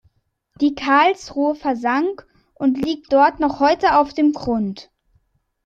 Die "Karlsruhe" versank und liegt dort noch heute auf dem Grund.